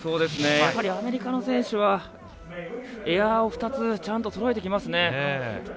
やはりアメリカの選手はエアを２つちゃんと、そろえてきますね。